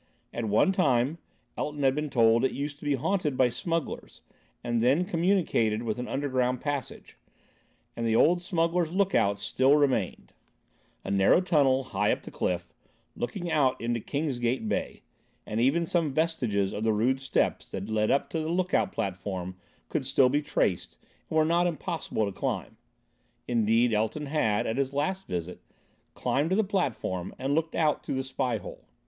At one time, Elton had been told, it used to be haunted by smugglers, and then communicated with an underground passage; and the old smuggler's look out still remained; a narrow tunnel, high up the cliff, looking out into Kingsgate Bay; and even some vestiges of the rude steps that led up to the look out platform could still be traced, and were not impossible to climb. Indeed, Elton had, at his last visit, climbed to the platform and looked out through the spy hole.